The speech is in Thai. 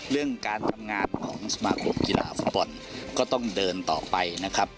เรื่องการทำงานของสมาคมกีฬาฟุตบอลก็ต้องเดินต่อไปนะครับ